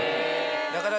だから。